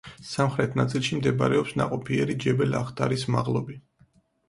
სამხრეთ ნაწილში მდებარეობს ნაყოფიერი ჯებელ-ახდარის მაღლობი.